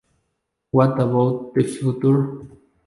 What about the future?".